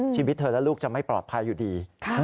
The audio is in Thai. ชีวิตเธอและลูกจะไม่ปลอดภัยอยู่ดี